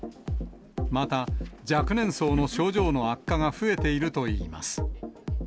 また、若年層の症状の悪化が増えているといいます。